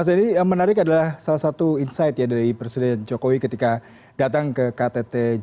yang menarik adalah salah satu insight ya dari presiden jokowi ketika datang ke ktt g tujuh